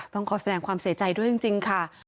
ต้องขอแสดงความเสียใจด้วยจริงค่ะ